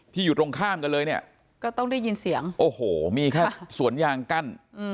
อยู่ตรงข้ามกันเลยเนี่ยก็ต้องได้ยินเสียงโอ้โหมีแค่สวนยางกั้น